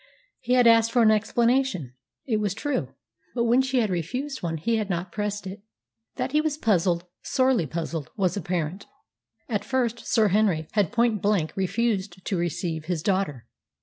He had asked for an explanation, it was true; but when she had refused one he had not pressed it. That he was puzzled, sorely puzzled, was apparent. At first, Sir Henry had point blank refused to receive his daughter.